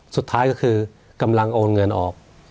สุดท้ายก็คือกำลังโอนเงินออก